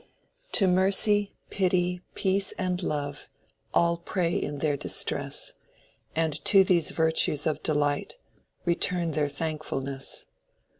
To mercy, pity, peace, and love All pray in their distress, And to these virtues of delight, Return their thankfulness.